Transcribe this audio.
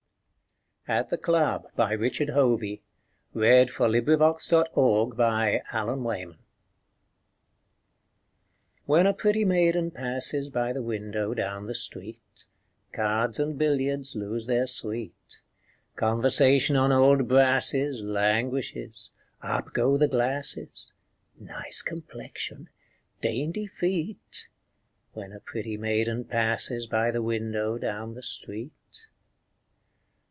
C D . E F . G H . I J . K L . M N . O P . Q R . S T . U V . W X . Y Z At the Club When a pretty maiden passes By the window down the street, Cards and billiards lose their sweet; Conversation on old brasses Languishes; up go the glasses: "Nice complexion!" "Dainty feet!" When a pretty maiden passes By the window down the street.